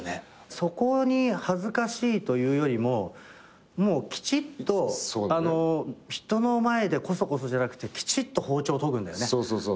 そこに恥ずかしいというよりも人の前でこそこそじゃなくてきちっと包丁を研ぐんだよね。